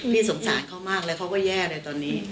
สงสารเขามากแล้วเขาก็แย่เลยตอนนี้